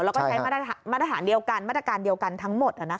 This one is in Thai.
แล้วก็ใช้มาตรฐานเดียวกันมาตรการเดียวกันทั้งหมด